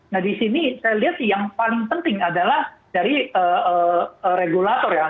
nah di sini saya lihat sih yang paling penting adalah dari regulator ya